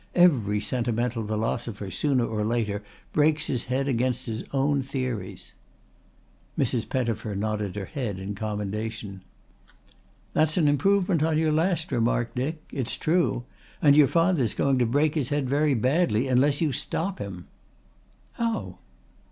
Every sentimental philosopher sooner or later breaks his head against his own theories." Mrs. Pettifer nodded her head in commendation. "That's an improvement on your last remark, Dick. It's true. And your father's going to break his head very badly unless you stop him." "How?"